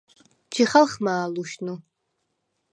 ჯიხალხმა̄ ლუშნუ?